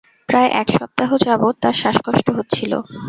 প্রায় এক সপ্তাহ যাবৎ তার শ্বাসকষ্ট হচ্ছিল।